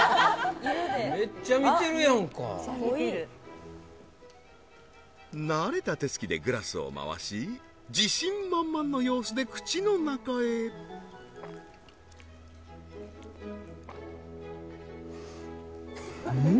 めっちゃ見てる慣れた手つきでグラスを回し自信満々の様子で口の中へうん？